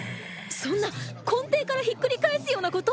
そんな根底からひっくり返すような事